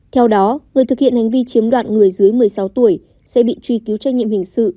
theo đó người thực hiện hành vi chiếm đoạt người dưới một mươi sáu tuổi sẽ bị truy cứu trách nhiệm hình sự